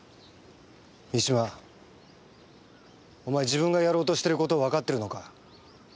自分がやろうとしてることをわかってるのか？